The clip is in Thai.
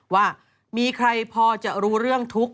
ว่ามีใครพอจะรู้เรื่องทุกข์